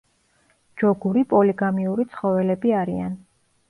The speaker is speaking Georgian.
ჯოგური პოლიგამიური ცხოველები არიან.